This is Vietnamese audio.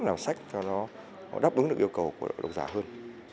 làm sách cho nó đáp ứng được yêu cầu của độc giả hơn